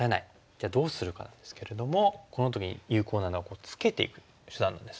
じゃあどうするかですけれどもこの時に有効なのはこうツケていく手段です。